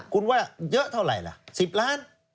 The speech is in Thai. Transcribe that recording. คุณว่าเยอะเท่าไหร่ล่ะ๑๐ล้าน